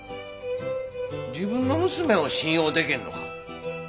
自分の娘を信用でけんのか？